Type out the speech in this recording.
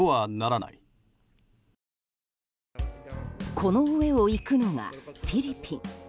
この上をいくのがフィリピン。